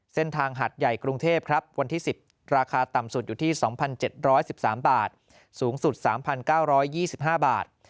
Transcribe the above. หัดใหญ่กรุงเทพครับวันที่๑๐ราคาต่ำสุดอยู่ที่๒๗๑๓บาทสูงสุด๓๙๒๕บาท